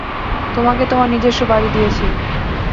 তোমাকে তোমার নিজস্ব বাড়ি দিয়েছি।